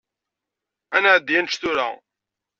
Ad nεeddi ad nečč tura.